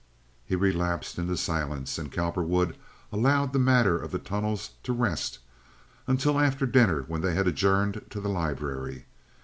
He relapsed into silence, and Cowperwood allowed the matter of the tunnels to rest until after dinner when they had adjourned to the library.